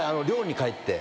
寮に帰って。